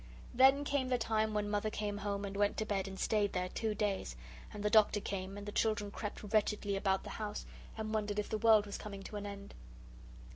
Then came the time when Mother came home and went to bed and stayed there two days and the Doctor came, and the children crept wretchedly about the house and wondered if the world was coming to an end.